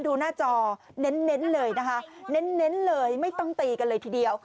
ดูหน้าจอเน้นเลยนะคะเน้นเลยไม่ต้องตีกันเลยทีเดียว